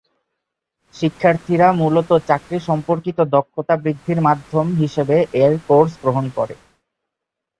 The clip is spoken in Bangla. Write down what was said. শিক্ষার্থীরা মূলত চাকরি সম্পর্কিত দক্ষতা বৃদ্ধির মাধ্যম হিসাবে এর কোর্স গ্রহণ করে।